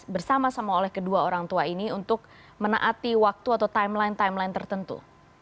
bersama sama oleh kedua orang tua ini untuk menaati waktu atau timeline timeline tertentu